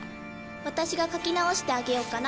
私が書き直してあげよっかな。